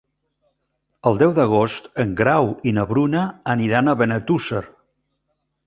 El deu d'agost en Grau i na Bruna aniran a Benetússer.